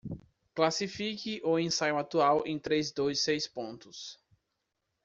Classifique o ensaio atual em três dos seis pontos.